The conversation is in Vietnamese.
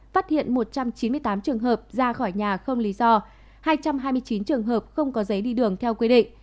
phát hiện một trăm chín mươi tám trường hợp ra khỏi nhà không lý do hai trăm hai mươi chín trường hợp không có giấy đi đường theo quy định